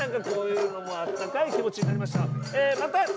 こういうのも温かい気持ちになりました。